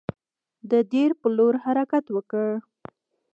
د دیر پر لور حرکت وکړ.